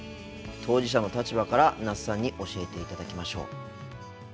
当事者の立場から那須さんに教えていただきましょう。